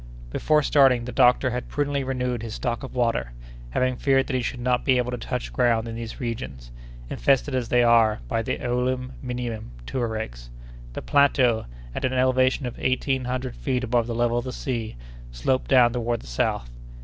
Before starting, the doctor had prudently renewed his stock of water, having feared that he should not be able to touch ground in these regions, infested as they are by the Aouelim Minian Touaregs. The plateau, at an elevation of eighteen hundred feet above the level of the sea, sloped down toward the south.